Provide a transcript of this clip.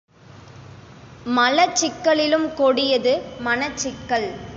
மலச்சிக்கலிலும் கொடியது மனச்சிக்கல்.